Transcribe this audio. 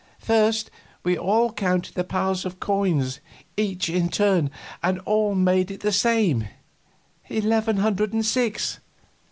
"First, we all counted the piles of coin, each in turn, and all made it the same eleven hundred and six.